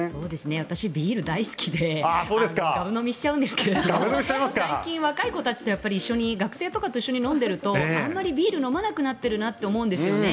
私、ビール大好きでがぶ飲みしちゃうんですけど最近若い子たちと一緒に学生たちと一緒に飲んでいるとあまりビールを飲まなくなっているなと思うんですよね。